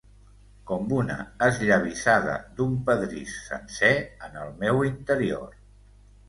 Com una esllavissada d'un pedrís sencer en el meu interior.